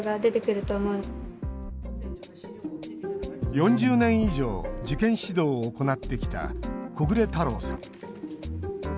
４０年以上受験指導を行ってきた木暮太郎さん。